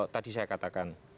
tadi saya katakan